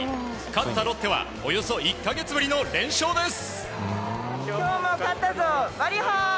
勝ったロッテはおよそ１か月ぶりの連勝です。